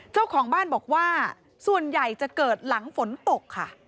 เจ้าของบ้านบอกว่าส่วนใหญ่จะเกิดหลังฝนตกค่ะ